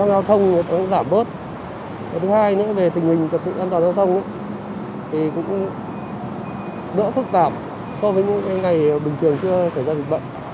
giao thông giảm bớt thứ hai về tình hình trật tự an toàn giao thông thì cũng đỡ phức tạp so với những ngày bình thường chưa xảy ra dịch bệnh